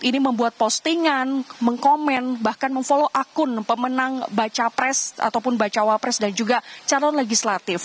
ini membuat postingan mengkomen bahkan memfollow akun pemenang baca pres ataupun bacawa pres dan juga calon legislatif